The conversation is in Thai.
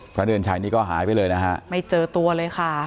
เดือนชัยนี่ก็หายไปเลยนะฮะไม่เจอตัวเลยค่ะ